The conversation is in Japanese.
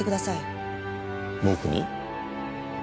僕に？